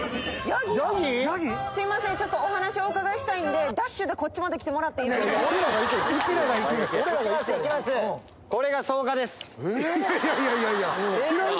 すみません、ちょっとお話お伺いしたいんで、ダッシュでこっちまで来てもらっていいですか？